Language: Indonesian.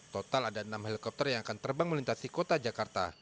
total ada enam helikopter yang akan terbang melintasi kota jakarta